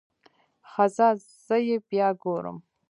ښه ځه زه يې بيا ګورم.